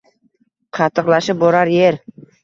Qattiqlashib borar yer.